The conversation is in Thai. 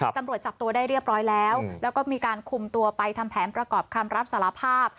ตำรวจจับตัวได้เรียบร้อยแล้วแล้วก็มีการคุมตัวไปทำแผนประกอบคำรับสารภาพ